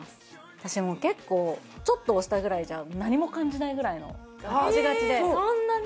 私結構ちょっと押したぐらいじゃ何も感じないぐらいのガッチガチでそんなに？